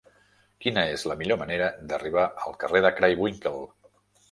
Quina és la millor manera d'arribar al carrer de Craywinckel?